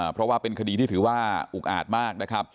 เพราะว่าเป็นคดีที่ถือว่าอุกอาจมากนะครับ